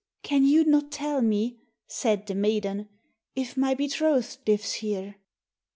"Can you not tell me," said the maiden, "if my betrothed lives here?"